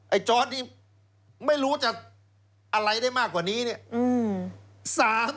จอร์ดที่ไม่รู้จะอะไรได้มากกว่านี้เนี่ย